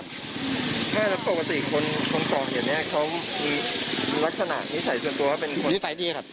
อืมไม่แล้วปกติคนคนของอย่างเนี้ยเขามีลักษณะนิสัยส่วนตัวเป็นคนนิสัยดีครับ